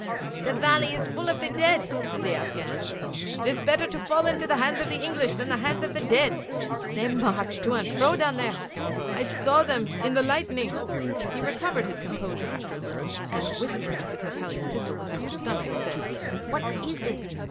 'The valley is full of the dead,' said the Afghan. 'It is better to fall into the hands of the English than the hands of the dead. They march to and fro below there. I saw them in the lightning.' He recovered his composure after a little, and whispering, because Halley's pistol was at his stomach, said: 'What is this?